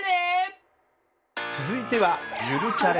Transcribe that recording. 続いては「ゆるチャレ」。